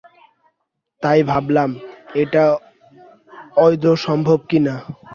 তাই ভাবলাম এটা আদৌ সম্ভব কিনা।